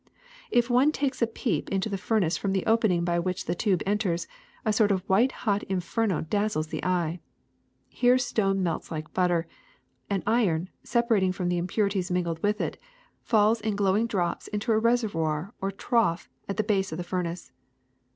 If one takes a peep into the furnace from the opening by which the tube enters, a sort of white hot inferno dazzles the eye. Here stones melt like butter, and iron, separating from the impurities mingled with it, falls in glowing drops into a reservoir or trough at the base of the furnace.